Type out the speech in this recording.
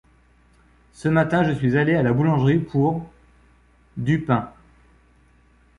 Ce matin, je suis allé à la boulangerie pour __________ du pain.